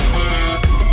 masuk ke dalam